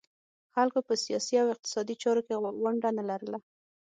خلکو په سیاسي او اقتصادي چارو کې ونډه نه لرله